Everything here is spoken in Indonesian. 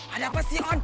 ada apa sih on